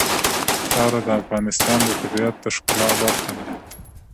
خاوره د افغانستان د طبیعت د ښکلا برخه ده.